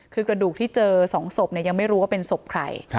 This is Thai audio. คือกระดูกที่เจอ๒ศพยังไม่รู้ว่าเป็นศพใคร